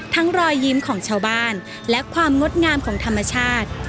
รอยยิ้มของชาวบ้านและความงดงามของธรรมชาติ